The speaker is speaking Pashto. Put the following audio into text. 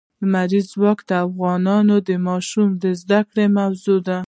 لمریز ځواک د افغان ماشومانو د زده کړې موضوع ده.